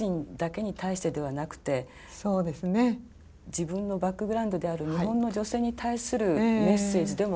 自分のバックグラウンドである日本の女性に対するメッセージでも。